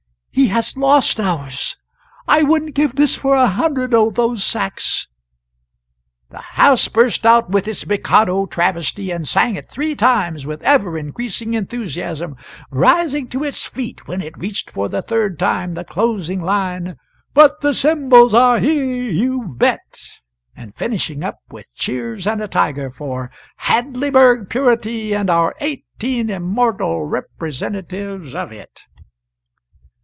he has lost ours I wouldn't give this for a hundred of those sacks!" The house burst out with its "Mikado" travesty, and sang it three times with ever increasing enthusiasm, rising to its feet when it reached for the third time the closing line "But the Symbols are here, you bet!" and finishing up with cheers and a tiger for "Hadleyburg purity and our eighteen immortal representatives of it."